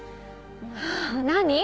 何？